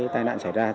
tai nạn xảy ra